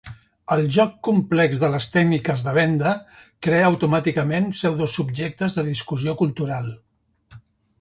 El joc complex de les tècniques de venda crea automàticament pseudosubjectes de discussió cultural.